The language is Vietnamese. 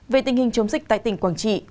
về tình hình chống dịch tại tỉnh quảng trị